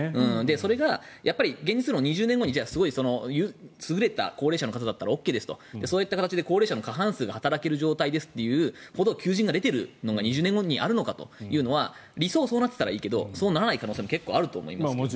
それが現実論、２０年後にすごい優れた高齢者の方だったらＯＫですと、そういった形で高齢者の過半数が働けますという求人が出ているのが２０年後にあるのかというのは理想はそうなっていたらいいけどそうならない可能性も結構あると思います。